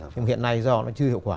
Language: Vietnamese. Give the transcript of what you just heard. nhưng mà hiện nay do nó chưa hiệu quả